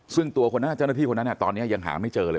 ซึ่งตัวเจ้าหน้าที่คนนั้นตอนนี้ยังหาไม่เจอเลย